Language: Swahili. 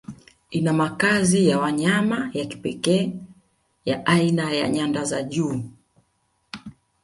Ina makazi ya wanyama ya kipekee ya aina ya nyanda za juu